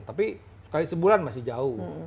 tapi sekali sebulan masih jauh